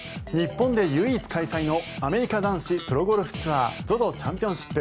日本で唯一開催のアメリカ男子プロゴルフツアーＺＯＺＯチャンピオンシップ。